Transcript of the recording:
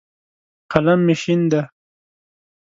قلم مې شین دی.